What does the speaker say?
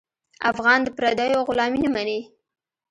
افغان د پردیو غلامي نه مني.